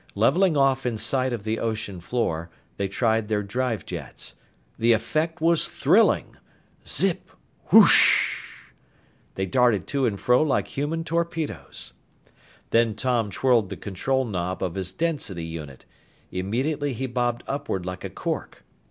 Leveling off in sight of the ocean floor, they tried their drive jets. The effect was thrilling! Zip ... Whoosh! They darted to and fro like human torpedoes. Then Tom twirled the control knob of his density unit. Immediately he bobbed upward like a cork.